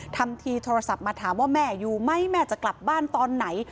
ทำทีโทรศัพท์มาถามว่าแม่อยู่ไหมแม่จะกลับบ้านตอนไหน